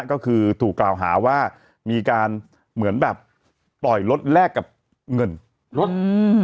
ก็คือถูกกล่าวหาว่ามีการเหมือนแบบปล่อยรถแลกกับเงินรถอืม